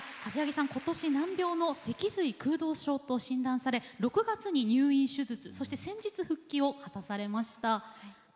ことし難病の脊髄空洞症と診断され６月に入院、手術そして先日復帰を果たされました。